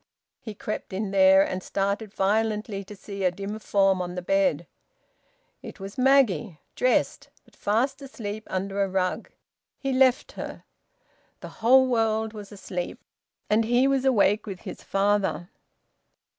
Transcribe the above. He crept in there, and started violently to see a dim form on the bed. It was Maggie, dressed, but fast asleep under a rug. He left her. The whole world was asleep, and he was awake with his father.